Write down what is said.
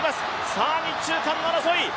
さあ日中韓の争い。